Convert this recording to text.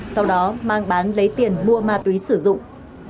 sau đó mang bán lấy tiền mua ma túy sử dụng